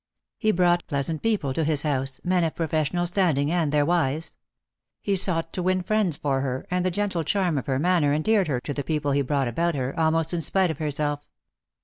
He brought pleasant people to his house ; men of professional standing, and their wives. He sought to win friends for her, and the gentle charm of her manner en deared her to the people he brought about her, almost in spite of herself.